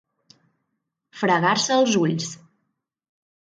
Fregar-se els ulls.